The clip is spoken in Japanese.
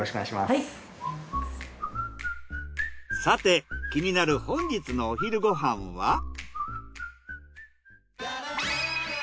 さて気になる本日のお昼ご飯は？